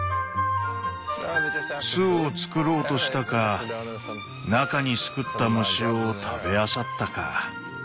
巣をつくろうとしたか中に巣くった虫を食べあさったか。